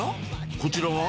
こちらは？